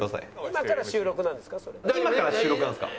「今から収録なんですか？それ」。